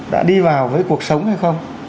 đã đi vào với cuộc sống hay không